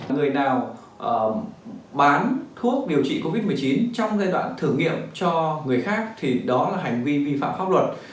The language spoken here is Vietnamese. người nào bán thuốc điều trị covid một mươi chín trong giai đoạn thử nghiệm cho người khác thì đó là hành vi vi phạm pháp luật